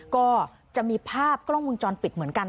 ก็จะมีภาพกล้องวงจรปิดเหมือนกัน